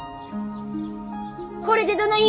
これでどない？